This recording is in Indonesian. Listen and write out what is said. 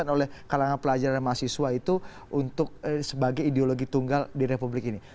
dilakukan oleh kalangan pelajar dan mahasiswa itu untuk sebagai ideologi tunggal di republik ini